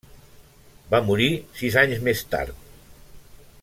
Va morir sis anys més tard.